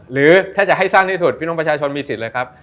หรือถ้าจะให้สร้างที่สุดพี่น้องประชาชนมีสิทธิ์เลยครับ